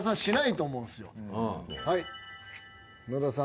野田さん